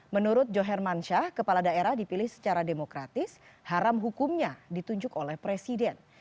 menurut johermansyah kepala daerah dipilih secara demokratis haram hukumnya ditunjuk oleh presiden